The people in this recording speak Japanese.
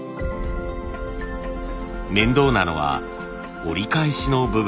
面倒なのは折り返しの部分。